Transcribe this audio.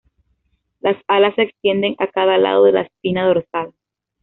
Las "alas" se extienden a cada lado de la espina dorsal.